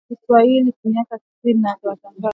Idhaa ya Kiswahili yaadhimisha miaka sitini ya Matangazo.